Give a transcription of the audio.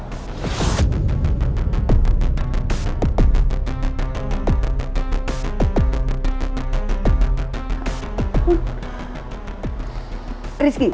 kau harus mengelak